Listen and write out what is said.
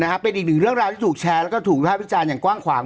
เป็นอีกหนึ่งเรื่องราวที่ถูกแชร์แล้วก็ถูกวิภาพวิจารณ์อย่างกว้างขวาง